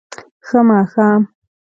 ښه ماښام